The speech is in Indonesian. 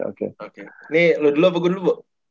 oke ini lu dulu apa gue dulu bu